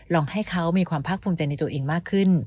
ลองให้เขามีความภาคภูมิใจในตัวเองมากขึ้น